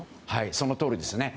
そのとおりですね。